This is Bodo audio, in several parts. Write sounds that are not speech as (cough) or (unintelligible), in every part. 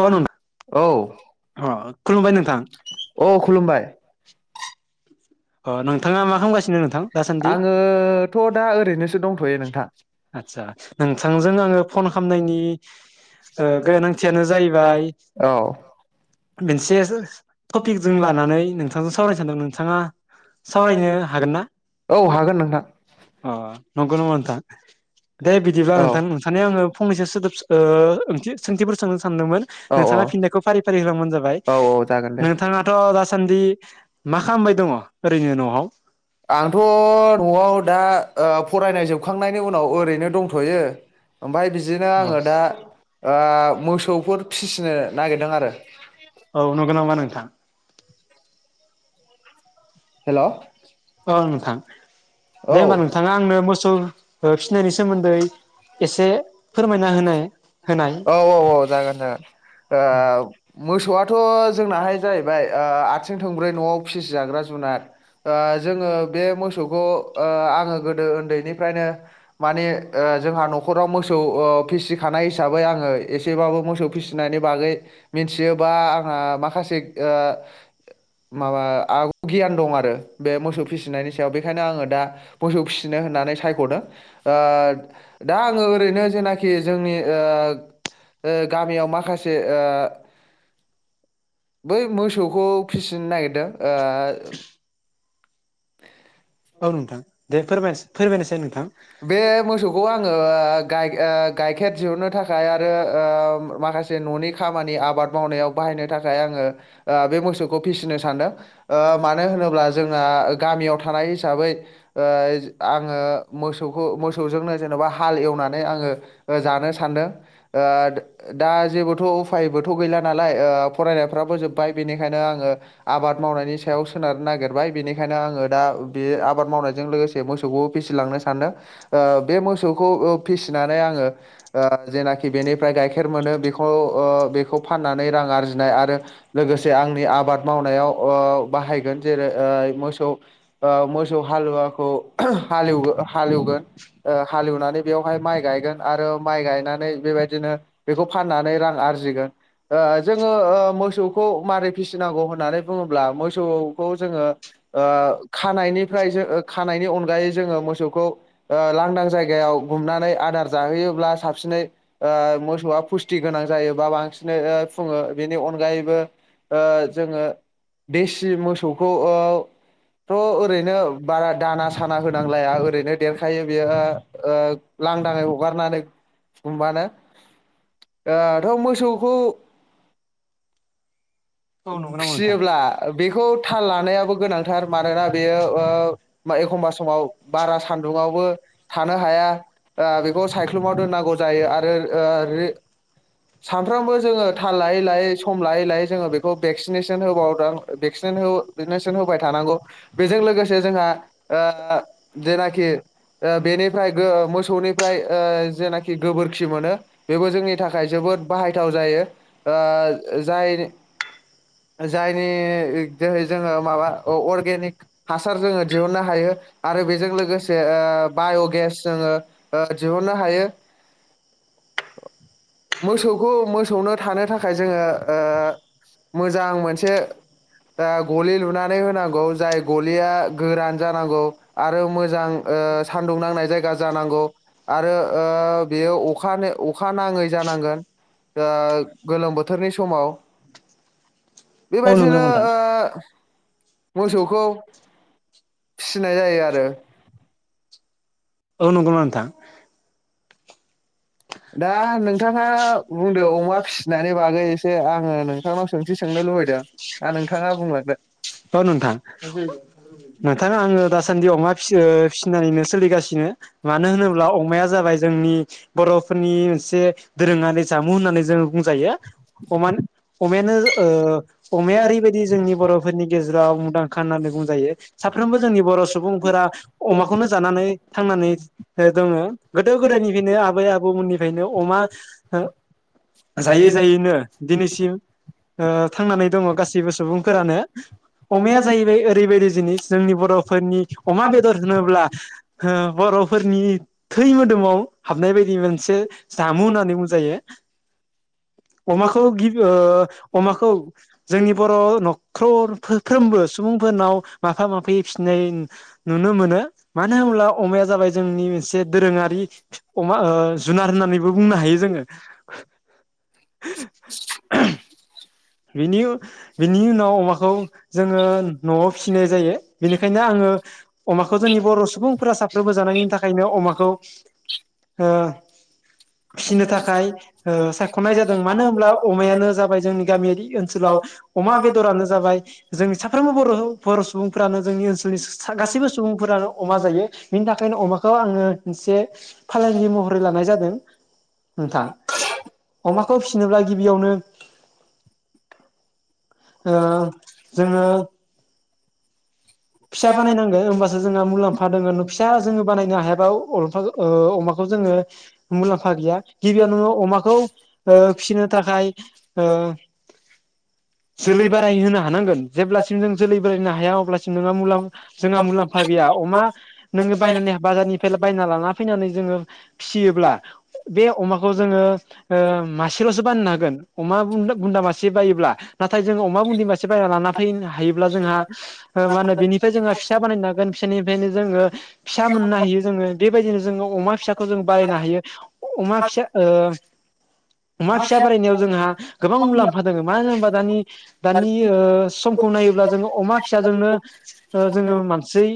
औ नोंथां औ अ खुलुमबाय नोंथां खुलुमबाय। अ नोंथाङा मा खालामगासिनो नोंथां दासान्दि आङोथ' दा ओरैनोसो दंथ'यो नोंथां आदसा नोंथांजों आङो फन खामनायनि ओ गोनांथियानो जाहैबाय औ मोनसे टपिकजों लानानै नोंथांजों सावरायनो सानदों नोंथाङा। सावरायनो हागोन ना औ हागोन नोंथां अ नंगौ नंगौनामा नामा नोंथां। दे बिदिबा नोंथां नोंथांनियाव आङो फंनैसो सोदोब ओ ओंथि सोंथिफोर सोंनो सानदोंमोन औ नोंथाङा फिननायखौ फारि फारि होलांबानो जाबाय औ जागोन दे नोंथाङाथ दासान्दि। मा खामबाय दङ। जोङो नहाव। आंथ नआव दा। ओ फरायनाय जोबखांनायनि उनाव ओरैनो दंथयो। ओमफाय बिदिनो आङो दा। मोसौफोर फिसिनो नागिरदों आरो। औ नंगौ नामा नोंथां हेलौ औ नोंथां दे होमबा नोंथाङा आंनो मोसौ। ओ फिसिनायनि सोमोन्दै एसे। फोरमायना होनाय होनाय औ औ औ जागोन जागोन ओ मोसौआथ। थ जोंनाहाय जाहैबाय ओ आथिं थंब्रै नआव फिसिजाग्रा जुनार ओ जोङो बे मोसौखौ ओ आङो गोदो उन्दैनिफ्रायनो माने ओ जोंहा नखराव मोसौ। फिसिखानाय हिसाबै आङो एसेबाबो मोसौ फिसिनायनि बागै मिन्थियोबा आंहा माखासे ओ माबा आग गियान दं आरो बे मोसौ फिसिनायनि सायाव बेखायनो आङो दा मोसौ फिसिनो होननानै सायखदों ओ दा आङो ओरैनोज। जेनायखि जोंनि ओ ओ गामियाव माखासे ओ बै मोसौखौ फिसिनो नागिरदों ओ (inaudible) औ नोंथां। दे फोरमायस फोरमायनायसाय नोंथां। बे मोसौखौ आं। आङो गायग ओ गाइखेर दिहुननो थाखाय आरो ओम माखासे ननि खामानि आबाद मावनायाव बाहायनो थाखाय आङो बे मोसौखौ फिसिनो सान्दों ओ मानो होनोब्ला जोंना गामियाव थानाय हिसाबै ओ आङो। मोसौखौ मोसौजोंनो जेनबा हाल एवनानै आङो जानो सानदों ओ दा जेबोथउफायबोथ गैला नालाय ओ फरायनायफ्राबो जोब्बाय बेनिखायनो आङो आबाद मावनायनि सायाव सोनार नागेरबाय बेनिखायनो आङो दा बे आबाद मावनायजों लोगोसे मोसौखौ फिसिलांनो सान। सान्दों ओ बे मोसौखौ ओ फिसिनानै आंङो ओ जेनाखि बेनिफ्राय गाइखेर मोनो बेखौ ओ बेखौ फाननानै रां आरजिनाय आरो लोगोसे आंनि आबाद मावनायाव ओ बाहायगोन जेरै ओ मोसौ ओ मोसौ हालुवाखौ हालेव हालेवगोन ओ हालेवनानै बेवहाय माइ गायगोन आरो माइ गायनानै बेबायदिनो बेखौ फाननानै रां आरजिगोन ओ जोङो मोसौखौ मारै फिसिनांगौ होननानै बुङोब्ला मोसौखौ जोङो ओ खानायनिफ्राय जो खानायनि अनगायै जोङो मोसौ। खौ लांदां जायगायाव गुमनानै आदार जाहोयोब्ला साबसिनै ओ मोसौआ फुस्थि गोनां जायो बा बांसिनै ओ फुङो बेनि अनगायैबो ओ जोङो देसि मोसौखौथ ओरैनो बारा दाना साना होनांलाया ओरै नो देरखायो बेयो ओ ओ लांदाङै हगारनानै गुमबानो ओ थ मोसौखौ औ नंगौ नामा नोंथां फियोब्ला बेखौ थाल लानायाबो गोनांथार मानोना बेयो ओ एखमबा समाव बारास सानदुंआवबो थानो हाया बेखौ साय्लुमाव दोननांगौ जायो आरो ओ सामफ्रोमबो जोङो थाल लायै लायै सम लायै ला ओमफ्राय जोङो बेखौ भेकसिनेतोन होबाव दां भेकसिन होबाय थानांगौ बेजों लोगोसे जोंहा ओ जेनायकि जनि मोसौनिफ्राय जेनाखि गोबोरखि मोनो बेबो जोंनि थाखाय जोबोद बाहायथाव जायो ओ जायनि जायनि जोहै जोङो माबा अर्गेनिक हासार जोङो दिहुननो हायो आरो बेजों लोगोसे ओ बाय गेस जोङो ओ दिहुननो हायो मोसौखौ मोसौनो थानो थाखाय जोङो ओ मोजां मोनसे ओ गलि लुनानै होनांगौ जाय गलिया गोरान जानांगौ आरो मोजां ओ सान्दुं नांनाय जायगा जानांगौ। आरो ओ बेयो अखा ने अखा नाङै जानांगोन ओ गोलोम बोथोरनि समाव औ नंगौ बेबायदिनो नामा नोंथां ओ मोसौखौ फिसिनाय जायो आरो। औ नंगौ नामा नोंथां? दा नोंथाङा बुंदो अमा फिसिनायनि बागै बागौ एसे आङो नोंथांनाव सोंथि (inaudible) सोंनो लुबैदों लुबौदों दा नोंथाङा बुंलांदो औ नोंथां नोंथाङा आङो दासान्दि अमा फिसि-फिसिनानैनो सोलिगासिनो। ङो मानो होनोब्ला अमाया जाबाय जोंनि बर' मोनसे दोरोङारि जामुं होननानै जोङो बुंजायो। अमानो अमायानो ओ अमाया ओरैबायदि जोंनि बर'फोरनि गेजे जाव मुंदांखा होननानै बुंजायो। साफ्रोमबो जोंनि बर' सुबुंफोरा (inaudible) अमाखौनो जानानै थांनानै दङ गोदो गोदायनिफ्रायनो आबै आ गुबुननिफायनो अमा जायै जायैनो दिनैसिम ओ थांनानै दङ गासै बो सुबुंफोरानो अमाया जाहैबाय ओरैबायदि जिनिस जोंनि बर'फोरनि अमा बेदर होनोब्ला ओ बर'फोरनि थै मोदोमाव हाबनाय बायदि मोन से जामुं होननानै बुंजायो। अमाखौ गि अमाखौ जोंनि बर' न'खरफ्रोमबो सुबुंफोरनाव माफा माफि फिनाय नुनो मोनो। माने होनबोला अमाया जाबाय जोंनि मोनसे दोरोङारि अमा ओ जुनार होननानैबो बुंनो हायो जोङो। (inaudible) बिनि बिनि उनाव अमाखौ जोङो न'आव फिसिनाय जायो। बेनिखायनो आङो अमाखौ जोंनि बर' सुबुंफोरा साफ्रोमबो जानायनि थाखायनो अमाखौ हो फिसिनो थाखाय ओ सायख'नाय जादों। मानो होनब्ला अमायानो जाबाय जोंनि गामियारि ओनसोलाव अमा बेदरानो जाबाय जोंनि साफ्रोमबो बर' (unintelligible) सुबुंफ्रानो जोंनि ओनसोलनि गासैबो सुबुंफोरानो अमा जायो। बिनि थाखायनो अमाखौ आङो मोनसे फालांगि महरै लानाय जादों नोंथां अमाखौ फिसिनोब्ला गिबियावनो ओ जोंङो फिसा बानायनांगोन होमबासो जोंहा मुलाम्फा दंङो। नों फिसा जोंङो बानायनो हाया औ (unintelligible) अमाखौ जोंङो मुलाम्फा गैया गिबियाव नोंङो अमाखौ ओ फिनो थाखाय जोलै बाराय होनो हानांगोन जेब्लासिम जों जोलै बारायनो हाया अब्ला नोंहा मुलाम जोङो मुलाम्फा गैया अमा नोंङो बानायनै बाजारनिफ्राय बायना लाना फैनानै जोंङो फियोब्ला बे अमाखौ जोङो ओ मासेलसो बाननो हागोन अमा बुन्दा मासे बायोब्ला नाथाय जों अमा बुदि मासे बायना लाना फैनो हायोब्ला जोंहा ओ मा होनो बेनिफ्राय जोंङो फिसा बानायनो हागोन फिसानिफ्रायनो जोङो फिसा मोननो हायो जोङो बेबायदिनो जोङो अमा फिसा खौ जों बारायनो हायो अमा फिसा ओ अमा फिसा बारायनायाव जोंहा गोबां मुलाम्फा दङो मानो होनोबा दानि दानि समखौ नायोब्ला जोङो अमा फिसि जोंनो ओ जोङो मानसै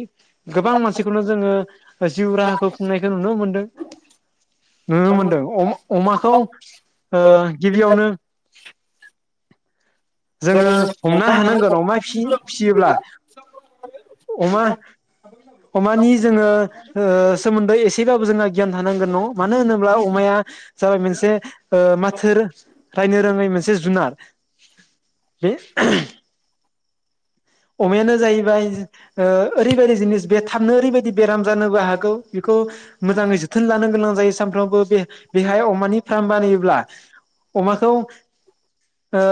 गोबां मानसिखौनो जोङो जिउ राहाखौ खुंनायखौ नुनो मोनदों नुनो मोनदों अ अमाखौ ओ गिबियावनो जोङो हमनो हानांगोन अमा फि-फिसियोब्ला। अमा अमानि जोङो ओ सोमोन्दै एसेबाबो जोंहा गियान थानां गोन न' मानो होनोब्ला अमाया जाबाय मोनसे ओ माथो रो रायनो रोङै मोनसे जुनार बे अमायानो जाहैबाय ओ ओरैबायदि जिनिस बे थाबनो ओरैबायदि बेराम जानोबो हागौ बेखौ मोजाङै जोथोन लानांगोन बै सानफ्रामबो बे बेहाय अमानि (inaudible) अमाखौ ओ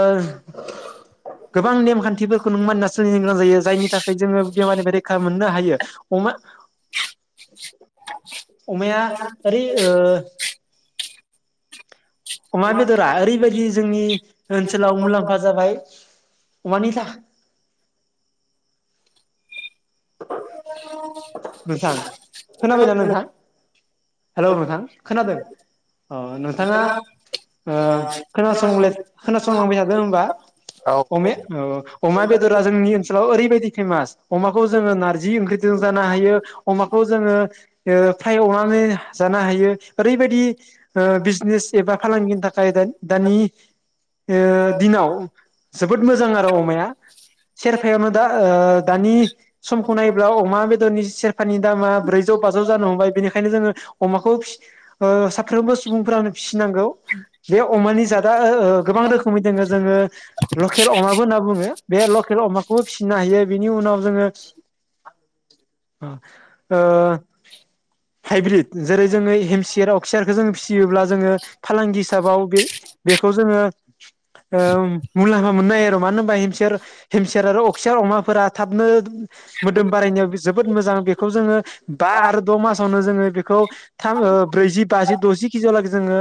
गोबां नेम-खान्थिफोरखौनो नों जायनि थाखाय जोङो बेमारनिफ्राय रैखा मोननो हायो अमा अमाया ओरै ओ अमा बेदरा ओरैबायदि जोंनि ओनसोलाव मुलाम्फा जाबाय अमानि था नोंथां खोनाबायना नोंथां हेलौ नोंथां खोनादों अ नोंथाङा ओ खोनासं खोनासंलांबाय थादो होनबा अम ओ अमा बेदरा जोंनि ओनसोलाव ओरैबायदि फेमास अमाखौ जोङो नारजि ओंख्रि जानो हायो अमाखौ जोङो ओ फ्राइ एवना माने जानो हायो ओरैबायदि ओ बिजनेस एबा फालांगिनि थाखाय देन दानि ए दिनाव जोबोद मोजां आरो अमाया सेरफायावनो दा ओ दानि समखौ नायोब्ला अ मा बेदरनि दामा सेरफानि दामा ब्रैजौ बाजौ जानो हमबाय। बेनिखायनो जोङो अमाखौ फिस ओ साफ्रोमबो सुबुं फोरानो फिसिनांगौ। बे अमानि जा दा ओ ओ गोबां रोखोमै दोङो जोङो लखेल अमाबो होनना बुङो। बे ल' केल अमाखौबो फिसिनो हायो। बिनि उनाव जोङो अ ओ हाइब्रिद। जेरै जोङो हेमसियार अक्सियारखौ जोङो फिसियोब्ला जोङो फालांगि हिसाबाव बे बेखौ जोङो ओम मुलाम्फा मोननो हायो आरो मानो होनबा हेमसियार हेमसियार आरो अक्सियार अमाफोरा थाबनो मोदोम बारायनायाव जोबोद मोजां बेखौ जोङो बा आरो द' मासावनो जोङो बेखौ थाम ओ ब्रैजि बाजि द'जि केजियावलागै जोङो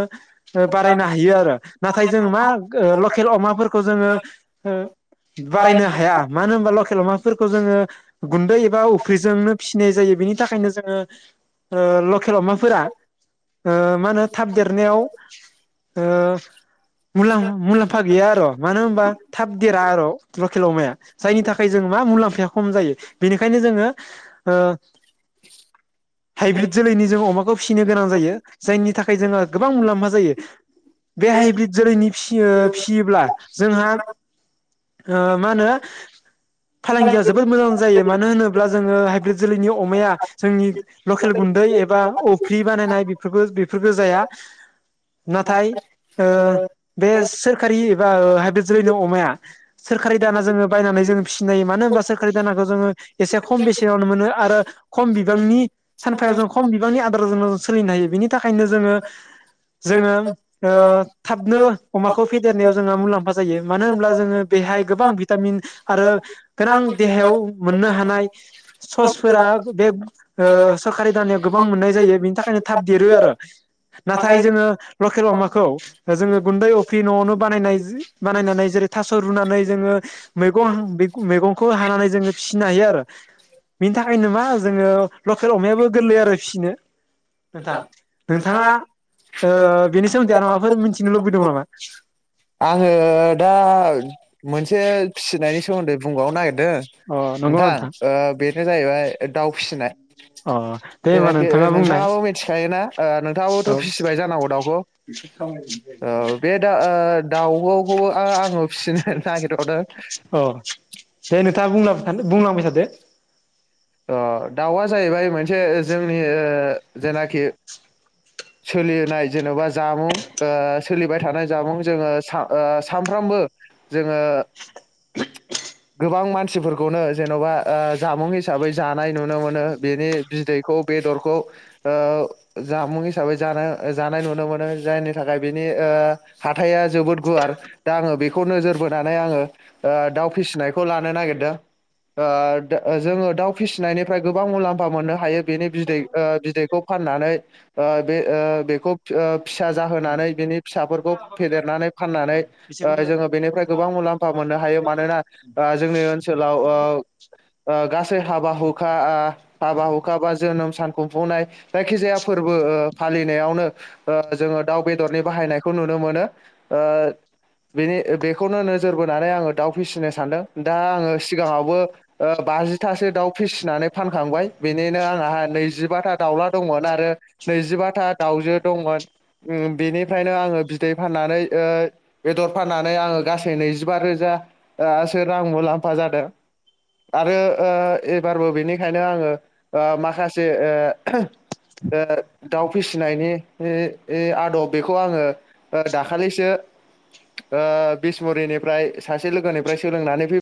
बारायनो ओ हायो आरो नाथाय जोङो मा ओ लखेल अमाफोरखौ जोङो ओ बारायनो हाया। मानो होनबा लखेल अमाफोरखौ जोङो गुनदै एबा अफ्रिजोंनो फिसिनाय जायो। बेनि थाखायनो जोङो ओ लखेल अमाफोरा ओ मा होनो थाब देरनायाव ओ मुलाम मुलाम्फा गैया र' मानो होनबा थाब देरा र'' लखेल अमाया। जायनि थाखाय जों मा मुलाम्फाया खम जायो। बेनिखायनो जोङो ओ हाइब्रिद जोलैनि जों अमाखौ फिसिनो गोनां जायो। जायनि थाखाय जोङो गोबां मुलाम्फा जायो। बे हाइब्रिद जोलैनि फिसियोब्ला जोंहा ओ मा होनो फालांगिया जोबोद मोजां जायो। मानो होनो ब्ला जोङो हाइब्रिद जोलैनि अमाया जोंनि लखेल गुन्दै एबा अफ्रि बानायनाय बेफोरखो बेफोरखो जाया। नाथाय ओ बे सोरखारि एबा हाइब्रिद जोलैनि अमाया सोरखारि दाना जोङो बायनानै जोङो फिसिनो हायो। मानो होनबा सोरखारि दानाखौ जोङो एसे खम बेसेनावनो मोनो आरो खम बिबांनि सानफायाव जों खम बिबांनि आदाराव जों सोलिनो हायो। बेनि थाखायनो जोङो जोङो ओ थाबनो अमाखौ फेदेरनायाव जोङो मुलाम्फा जायो। मानो होनब्ला जोङो बेहाय गोबां भिटामिन आरो गोनां देहायाव मोननो हा नाय ससफोरा बे ओ सरकारि दानायाव गोबां मोननाय जायो। बेनि थाखायनो थाब देरो आरो नाथाय जोङो लखेल अमाखौ जोङो गुन्दै अफ्रि न'आवनो बानाय बानायनानै जेरै थास' रुनानै जोङो मैगं मैगंखौ हानानै जोङो फिसिनो हायो आरो बिनि थाखायनो मा? जोङो लखेल अमायाबो गोरलै आरो फिसिनो नोंथां। नोंथाङा ओ बेनि सोमोन्दै आरो माबाफोर मिथिनो लुबैदों नामा? (unintelligible) आङो दा मोनसे फिसिनायनि सोमोन्दै बुंबावनो नागिरदों अ नंगौ नोंथां। ओ बेनो जाहैबाय दाउ फिसिनाय। अ दे होमबा जायनाखि नोंथाङा बुंनाय नोंथाङाबो मिथिखायोना ओ नोंथाङाबोथ' औ फिसिबाय जानांगौ दाउखौ ओ बे दा ओ दाउखौ आङो फिसिनो नागिरबावदों। औ दे नोंथाङा बुंलाबबाय बुंलांबाय थादो। ओ दाउआ जाहैबाय मोनसे जोंनि ओ जेनाखि सोलिनाय जेन'बा जामुं ओ सोलिबाय थानाय जामुं जोङो ओ सानफ्रामबो जोङो गोबां मानसिफोरखौनो जेन'बा ओ जामुंनि हिसाबै जानाय नुनो मोनो बेनि बिदैखौ बेदरखौ ओ जामुं हिसाबै जा जानाय नुनो मोनो जायनि थाखाय बिनि ओ हाइया जोबोद गुवार दा आङो बेखौ नोजोर बोनानै आङो ओ दाउ फिसिनायखौ लानो नागिरदों ओ जोङो दाउ फिसिनायनिफ्राय गोबां मुलाम्फा मोननो हायो बेनि बिदै बिदैखौ फाननानै बे ओ बेखौ - फिसा जाहोनानै बिनि फिसाफोरखौ फेदेरनानै फाननानै बिसोरखौबो जोङो बेनिफ्राय गोबां मुलाम्फा मोननो हायो मानोना जोंनि ओनसोलाव ओ गा सै हाबा हुखा ओ हाबा हुखा बा जोनोम सान खुंफुंनाय जायखिजाया फोरबो ओ फालि बेयाव नो ओ जोङो दाव बेदरनि बाहायनायखौ नुनो मोनो ओ बेनि बेखौनो नोजोर बोनानै आंङो दाव फिसिनो सान्दों दा आं सिगाङावबो ओ बाजि आथासो दाउ फिसिनानै फानखांबाय बेनिनो आंहा नैजिबाथा दाउला दंमोन आरो नैजिबा था दाउजो दंमोन बेनिफ्रायनो आङो बिदै फाननानै ओ बेदर फाननानै आङो गासै नैजिबा रोजासो रां मुलाम्फा जादों आरो ओ एबारबो बिनिखायनो आङो ओ माखासे ओ दाउ फिसिनायनि-नि-नि आदब बेखौ आङो ओ दाखालिसो ओ बिसमुरिनिफ्राय सासे लोगोनिफ्राय सोलोंनानै फै